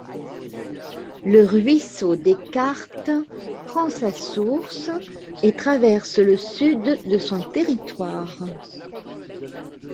Le ruisseau des Cartes prend sa source et traverse le sud de son territoire.